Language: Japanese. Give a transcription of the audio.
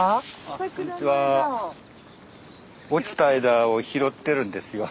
落ちた枝を拾ってるんですよ。